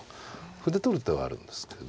歩で取る手はあるんですけど。